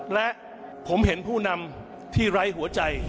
และผมเห็นผู้นำที่ไร้หัวใจ